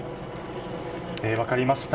分かりました。